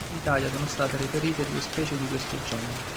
In Italia sono state reperite due specie di questo genere.